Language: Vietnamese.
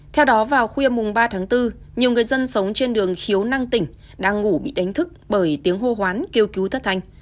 theo đó vào khuya mùng ba tháng bốn nhiều người dân sống trên đường khiếu năng tỉnh đang ngủ bị đánh thức bởi tiếng hô hoán kêu cứu thất thanh